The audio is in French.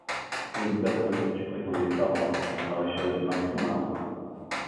Pour une personne que tu prétendais parente du maréchal de Mac-Mahon!